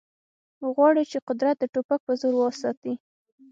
غواړي چې قدرت د ټوپک په زور وساتي